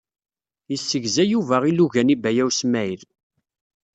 Yessegza Yuba ilugan i Baya U Smaɛil.